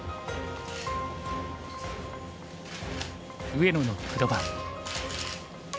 上野の黒番。